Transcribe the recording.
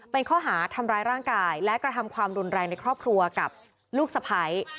เป็นข้อหาทำร้ายร่างกายและกระทำความรุนแรงในครอบครัวกับลูกสะพ้าย